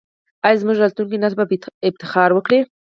آیا زموږ راتلونکی نسل به افتخار وکړي؟